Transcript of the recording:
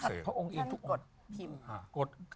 พระหัตถ์พระองค์อื่นทุกองค์